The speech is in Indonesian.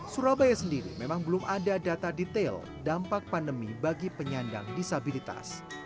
surabaya sendiri memang belum ada data detail dampak pandemi bagi penyandang disabilitas